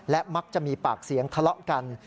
และมักจะมีปากเสียงทะเลาะกัน